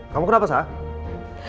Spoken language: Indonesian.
kamu kenapa sa